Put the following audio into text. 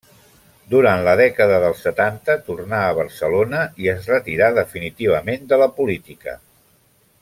Durant la dècada dels setanta tornà a Barcelona i es retirà definitivament de la política.